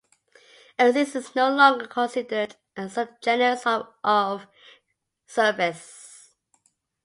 "Axis" is no longer considered a subgenus of "Cervus".